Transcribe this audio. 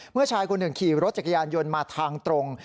ชายคนหนึ่งขี่รถจักรยานยนต์มาทางตรง